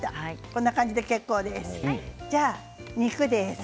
こんな感じで結構です。